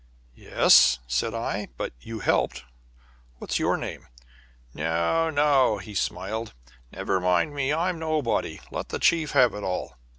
"Yes," said I, "but you helped. What's your name?" "No, no," he smiled; "never mind me. I'm nobody. Let the chief have it all."